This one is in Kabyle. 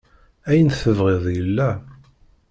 Ayen tebɣiḍ yella.